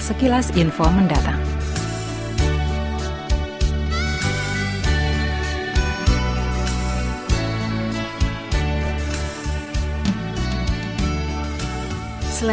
yesus mau datang segera